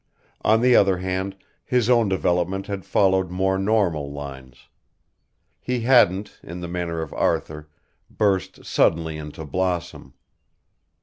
On the other hand his own development had followed more normal lines. He hadn't, in the manner of Arthur, burst suddenly into blossom.